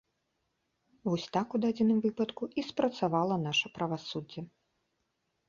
Вось так у дадзеным выпадку і спрацавала наша правасуддзе.